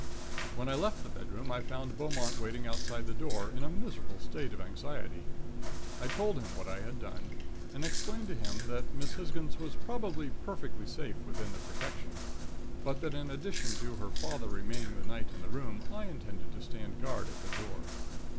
"When I left the bedroom I found Beaumont waiting outside the door in a miserable state of anxiety. I told him what I had done and explained to him that Miss Hisgins was probably perfectly safe within the 'protection'; but that in addition to her father remaining the night in the room, I intended to stand guard at the door.